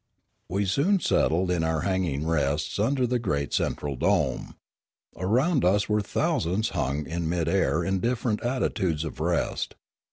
We soon settled in our hanging rests under the great central dome. Around us were thousands hung in mid air in different attitudes of rest.